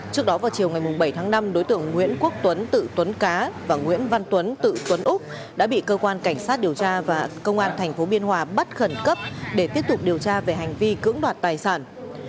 trước đó vào chiều ngày bảy tháng năm đối tượng nguyễn quốc tuấn tự tuấn cá và nguyễn văn tuấn tự tuấn úc đã bị cơ quan cảnh sát điều tra và công an tp biên hòa bắt khẩn cấp để tiếp tục điều tra về hành vi cưỡng đoạt tài sản